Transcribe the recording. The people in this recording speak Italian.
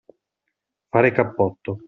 Fare cappotto.